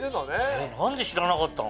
え何で知らなかったの？